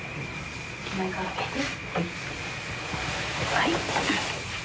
はい。